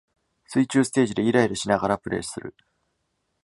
水中ステージでイライラしながらプレイする